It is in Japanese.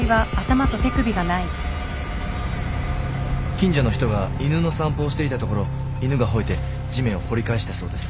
近所の人が犬の散歩をしていたところ犬が吠えて地面を掘り返したそうです。